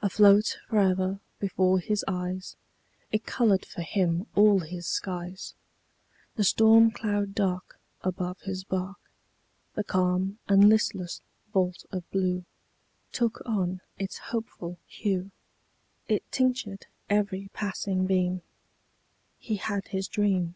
Afloat fore'er before his eyes, It colored for him all his skies: The storm cloud dark Above his bark, The calm and listless vault of blue Took on its hopeful hue, It tinctured every passing beam He had his dream.